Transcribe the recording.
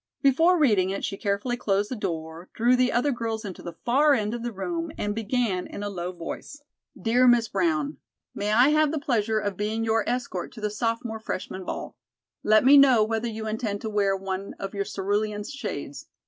Before reading it, she carefully closed the door, drew the other girls into the far end of the room and began in a low voice: "'DEAR MISS BROWN: "'May I have the pleasure of being your escort to the sophomore freshman ball? Let me know whether you intend to wear one of your cerulean shades.